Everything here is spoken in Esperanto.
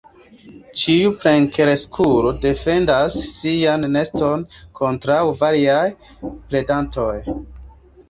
Ĉiu plenkreskulo defendas sian neston kontraŭ variaj predantoj.